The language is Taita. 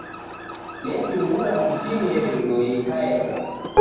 Netungura kutineri ndoe ikaela.